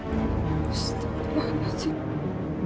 uang dan uang